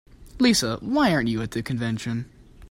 Lisa, why aren't you at the convention?